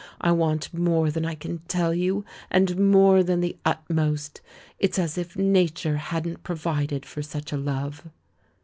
I want more than I can tell you, and more than the utmost. It's as if nature hadn't provid ed for such a love."